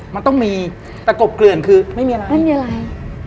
มันต้องมีตะกบเกลื่อนคือไม่มีอะไร